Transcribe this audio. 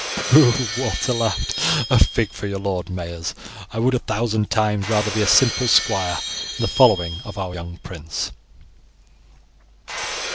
"Pooh!" Walter laughed; "a fig for your lord Mayors! I would a thousand times rather be a simple squire in the following of our young prince."